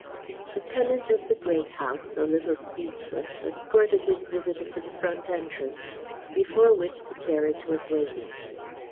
The tenant of the Great House, a little speechless, escorted his visitor to the front entrance before which the carriage was waiting.